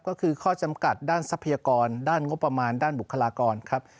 ก็คือข้อจำกัดด้านทรัพยากรด้านงบประมาณด้านบุคลากรครับ